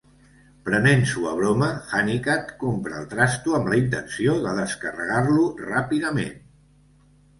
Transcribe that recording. Prenent-s'ho a broma, Hunnicut compra el trasto amb la intenció de descarregar-lo ràpidament.